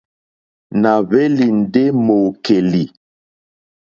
Nà hwélì ndé mòòkèlì,.